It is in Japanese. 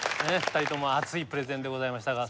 ２人とも熱いプレゼンでございましたが。